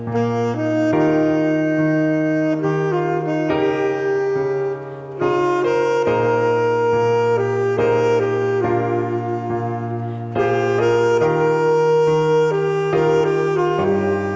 โทสแขกอะโทสแขกนึง